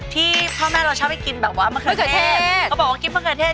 ที่พ่อแม่เราชอบให้กินแบบว่ามะเขือเทศเขาบอกว่ากินมะเขือเทศ